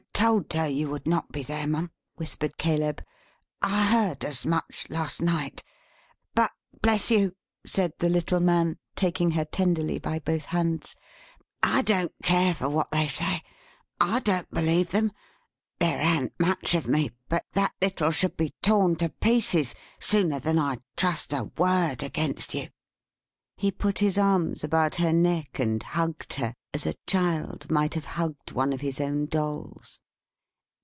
"I told her you would not be there Mum," whispered Caleb. "I heard as much last night. But bless you," said the little man, taking her tenderly by both hands, "I don't care for what they say; I don't believe them. There an't much of me, but that little should be torn to pieces sooner than I'd trust a word against you!" He put his arms about her neck and hugged her, as a child might have hugged one of his own dolls.